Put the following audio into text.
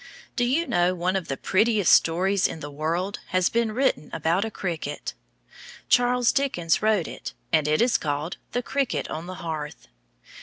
Do you know one of the prettiest stories in the world has been written about a cricket? Charles Dickens wrote it, and it is called "The Cricket on the Hearth."